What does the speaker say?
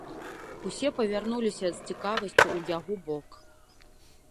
Усе павярнуліся з цікавасцю ў яго бок.